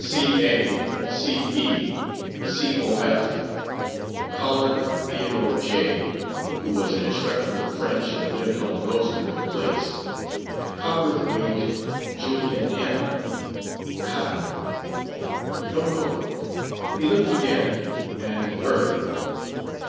Ca; Ce; Cof; Collard, Th. J., who was an instructor in French and lived on Rosemary Place; Copperthwaite, Julian M., Cotton ... No Cope. He looked again, and further.